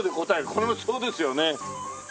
これもそうですよね。